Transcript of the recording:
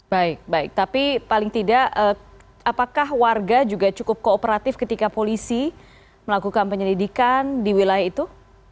baik baik tapi paling tidak apakah warga juga cukup kooperatif ketika polisi melakukan penyelidikan di wilayah itu